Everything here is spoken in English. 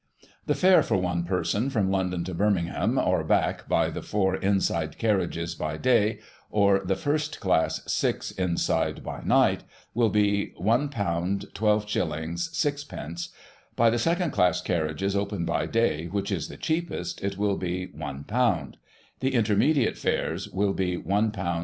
" The fare for one person from London to Birmingham, or back, by the * four inside ' carriages, by day, or the first class, ' six inside ' by night, will be £\ 12s. 6d ; by the second class carriages, open by day, which is the cheapest, it will h^ £1, The intermediate fares will be £\ lOs.